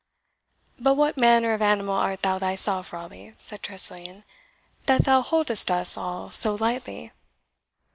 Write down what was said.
"But what manner of animal art thou thyself, Raleigh," said Tressilian, "that thou holdest us all so lightly?"